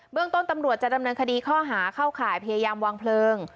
เรื่องต้นตำรวจจะดำเนินคดีข้อหาเข้าข่ายพยายามวางเพลิง